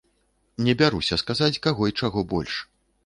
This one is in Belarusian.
Не бяруся сказаць, каго й чаго больш.